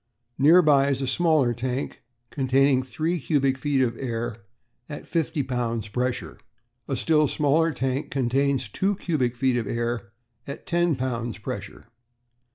Near by is a smaller tank, containing three cubic feet of air at a fifty pounds pressure. A still smaller tank contains two cubic feet of air at a ten pounds pressure.